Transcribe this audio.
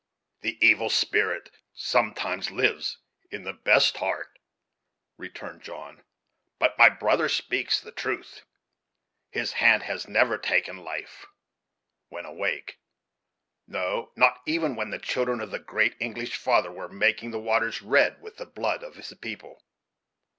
"The evil spirit sometimes lives in the best heart," returned John, "but my brother speaks the truth; his hand has never taken life, when awake; no! not even when the children of the great English Father were making the waters red with the blood of his people."